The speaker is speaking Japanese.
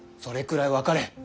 それくらい分かれ。